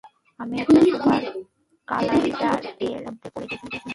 আমি একটা super collider এর মধ্যে পড়ে গিয়েছিলাম।